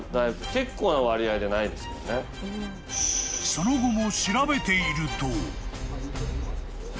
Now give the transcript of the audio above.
［その後も］